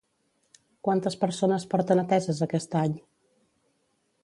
Quantes persones porten ateses aquest any?